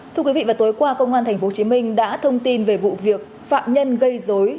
thưa quý vị vào tối qua công an tp hcm đã thông tin về vụ việc phạm nhân gây dối